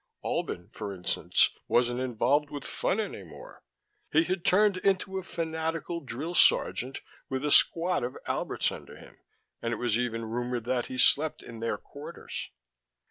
Albin, for instance, wasn't involved with fun any more: he had turned into a fanatical drill sergeant, with a squad of Alberts under him, and it was even rumored that he slept in their quarters.